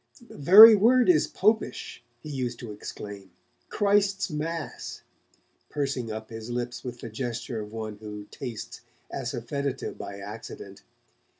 'The very word is Popish', he used to exclaim, 'Christ's Mass!' pursing up his lips with the gesture of one who tastes assafoetida by accident.